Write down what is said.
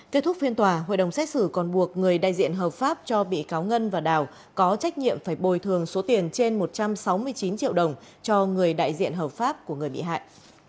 kết thúc phiên tòa hội đồng xét xử còn buộc người đại diện hợp pháp cho bị cáo ngân và đào có trách nhiệm phải bồi thường số tiền trên một trăm sáu mươi chín triệu đồng cho người đại diện hợp pháp của người bị hại